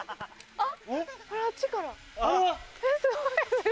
あっ！